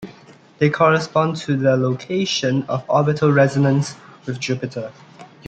They correspond to the locations of orbital resonances with Jupiter.